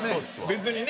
別にね。